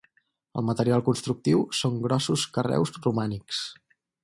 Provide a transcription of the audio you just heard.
El material constructiu són grossos carreus romànics.